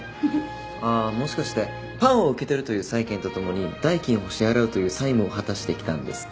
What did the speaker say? ああもしかしてパンを受け取るという債権とともに代金を支払うという債務を果たしてきたんですか？